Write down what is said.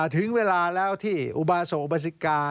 ถึงเวลาแล้วที่อุบาโสบาสิกา